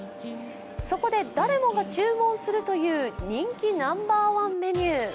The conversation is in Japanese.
そこで誰もが注文するという人気ナンバーワンメニュー。